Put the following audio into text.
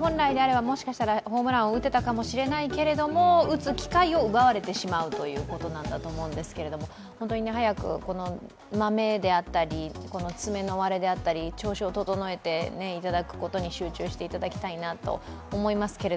本来であれば、もしあｋしたらホームランを打てたかもしれないけれどもホームランを打つ機会を奪われてしまうということですけども本当に早く、このマメであったり爪の割れであったり調子を整えて、集中していただきたいなと思いますが。